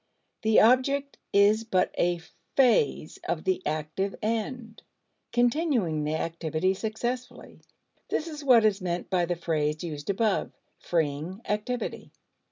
The object is but a phase of the active end, continuing the activity successfully. This is what is meant by the phrase, used above, "freeing activity."